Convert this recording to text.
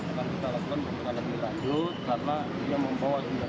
akan kita lakukan pemeriksaan lebih lanjut karena dia membawa